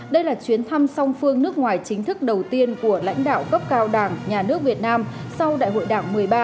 đây là chuyến thăm song phương nước ngoài chính thức đầu tiên của lãnh đạo cấp cao đảng nhà nước việt nam sau đại hội đảng một mươi ba